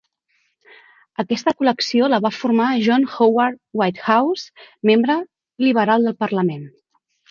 Aquesta col·lecció la va formar John Howard Whitehouse, membre liberal del Parlament.